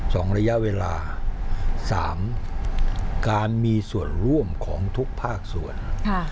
สองระยะเวลาสามการมีส่วนร่วมของทุกภาคส่วน